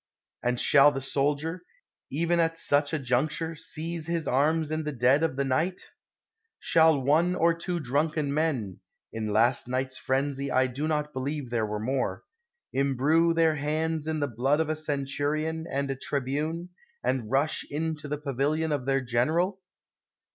And shall the soldier, even at such a juncture, seize his arms in the dead of the night ? Shall one or two drunken men (in last night's frenzy I do not believe there were more) imbrue their hands in the blood of a centurion and a tribune, and rush into the pavilion of their gen eral?